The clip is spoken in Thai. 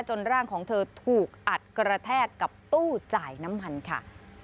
ร่างของเธอถูกอัดกระแทกกับตู้จ่ายน้ำมันค่ะ